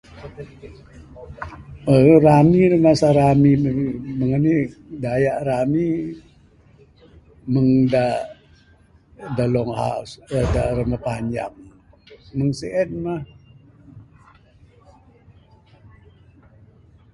uhh rami masa rami, meng anih dayak rami, meng da da long house da rumah panjang, meng sien mah.